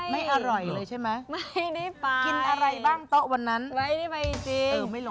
ไม่ได้ไป